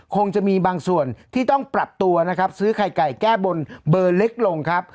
คงจะมีบางส่วนที่ต้องปรับตัวนะครับซื้อไข่ไก่แก้บนเบอร์เล็กลงครับ